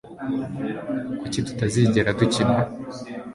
kuki tutazigera dukina